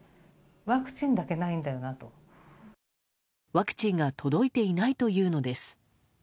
ワクチンが届いていないというのです。